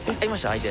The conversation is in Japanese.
相手。